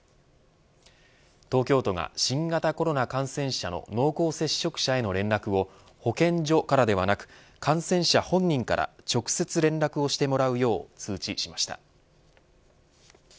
東京都が新型コロナ感染者の濃厚接触者への連絡を保健所からではなく感染者本人から直接連絡をしてもらうよう通知しました。